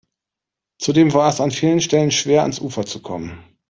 Zudem war es an vielen Stellen schwer, ans Ufer zu kommen.